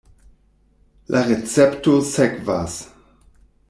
La recepto sekvas.